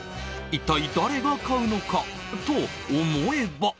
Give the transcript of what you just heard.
一体、誰が買うのかと思えば。